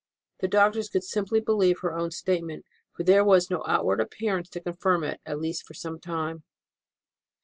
The doctors could simply believe her own statement, for there was no outward appearance to confirm it, at least for some time.